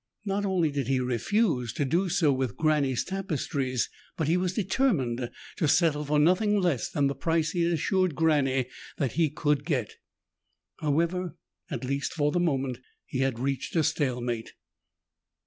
Not only did he refuse to do so with Granny's tapestries, but he was determined to settle for nothing less than the price he had assured Granny he could get. However, at least for the moment, he had reached a stalemate.